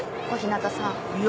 小日向さん。